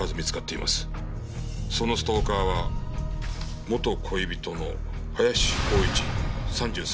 そのストーカーは元恋人の林幸一３３歳。